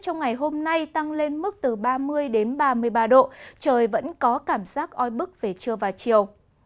trong ngày hôm nay tăng lên mức từ ba mươi đến ba mươi ba độ trời vẫn có cảm giác oi bức về trưa và chiều